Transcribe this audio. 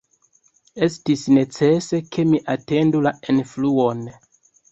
Estis necese, ke mi atendu la enfluon.